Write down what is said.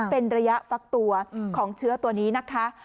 เป็นระยะฟักตัวของเชื้อตัวนี้นะคะ